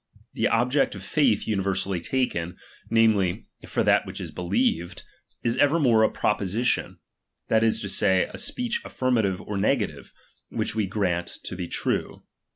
The ob ject oi faith universally taken, namely, for that which is believed, is evermore a propojsitton, that is to say, a speech affirmative or negative, which we grant to be true.